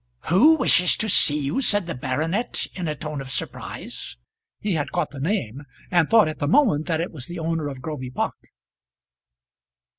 "Who wishes to see you?" said the baronet in a tone of surprise. He had caught the name, and thought at the moment that it was the owner of Groby Park.